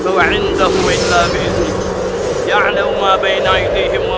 mereka tahu apa di antara mata mereka dan apa di dalamnya